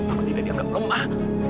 aku tidak dianggap lemah